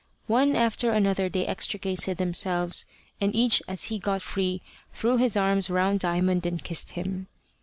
One after another they extricated themselves, and each as he got free threw his arms round Diamond and kissed him.